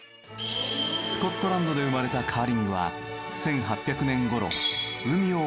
スコットランドで生まれたカーリングは１８００年頃海を渡りカナダへ。